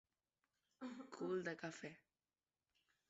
Cul de cafè.